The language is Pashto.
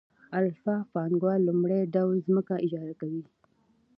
الف پانګوال لومړی ډول ځمکه اجاره کوي